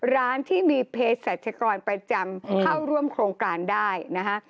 ร้านที่มีเพศสัชกรประจำเข้าร่วมโครงการได้นะคะ